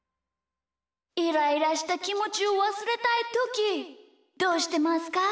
イライラしたきもちをわすれたいときどうしてますか？